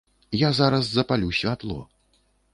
Я зараз запалю святло.